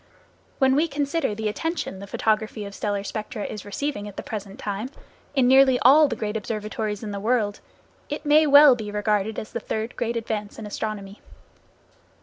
When we consider the attention the photography of stellar spectra is receiving at the present time, in nearly all the great observatories in the world, it may well be regarded as the third great advance in astronomy.